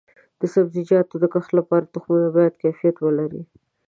د سبزیجاتو د کښت لپاره تخمونه باید کیفیت ولري.